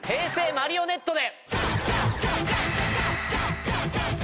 マリオネットで！